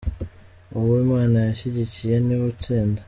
uwo Imana ishyigikiye niwe utsinda.